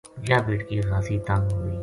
یاہ بیٹکی خاصی تنگ ہوگئی